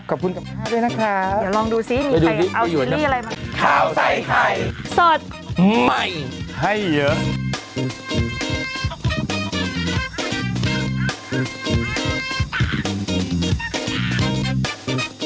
เดี๋ยวลองดูสิมีใครเอาซีรีส์อะไรมา